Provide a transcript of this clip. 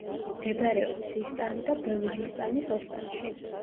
მდებარეობს სისტანი და ბელუჯისტანის ოსტანში.